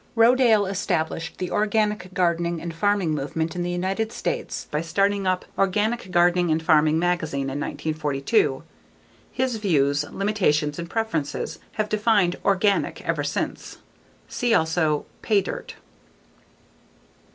Rodale established the organic gardening and farming movement in the United States by starting up Organic Gardening and Farming magazine in 1942. His views, limitations and preferences have defined "organic" ever since. See also: _Pay Dirt.